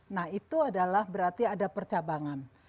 nah itu adalah berarti ada percabangan